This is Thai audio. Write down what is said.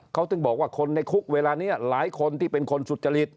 เขาถึงบอกว่าคนในคุกเวลานี้หลายคนที่เป็นคนสุจริต